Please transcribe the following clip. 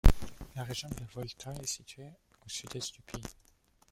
La Région de la Volta est située au sud-est du pays.